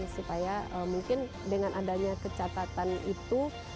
supaya mungkin dengan adanya kecatatan itu